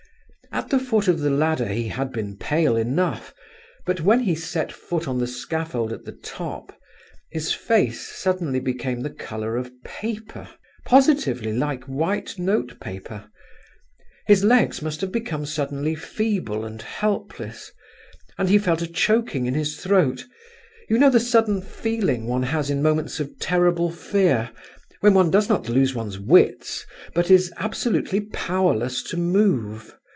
At the foot of the ladder he had been pale enough; but when he set foot on the scaffold at the top, his face suddenly became the colour of paper, positively like white notepaper. His legs must have become suddenly feeble and helpless, and he felt a choking in his throat—you know the sudden feeling one has in moments of terrible fear, when one does not lose one's wits, but is absolutely powerless to move?